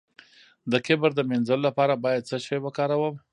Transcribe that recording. د کبر د مینځلو لپاره باید څه شی وکاروم؟